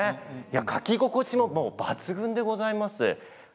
書き心地も抜群でございます。